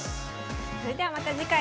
それではまた次回。